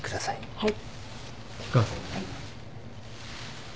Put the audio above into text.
はい。